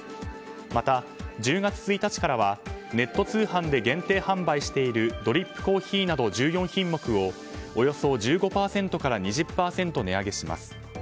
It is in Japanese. また、１０月１日からはネット通販で限定販売しているドリップコーヒーなど１４品目をおよそ１５％から２０％値上げします。